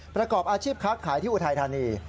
ประกอบอาชีพค้าขายที่อุทัยธานี